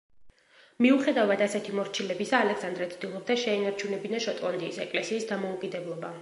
მიუხედავად ასეთი მორჩილებისა, ალექსანდრე ცდილობდა შეენარჩუნებინა შოტლანდიის ეკლესიის დამოუკიდებლობა.